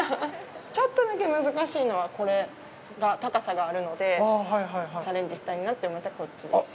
ちょっとだけ難しいのは、これは高さがあるので、チャレンジしたいなと思ったらこっちですし。